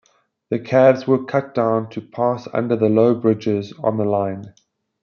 The cabs were cut down to pass under the low bridges on the line.